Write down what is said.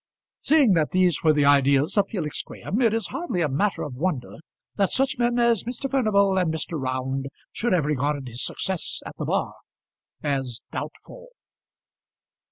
Seeing that these were the ideas of Felix Graham, it is hardly a matter of wonder that such men as Mr. Furnival and Mr. Round should have regarded his success at the bar as doubtful.